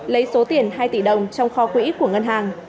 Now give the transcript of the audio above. lấy số tiền hai tỷ đồng trong kho quỹ của ngân hàng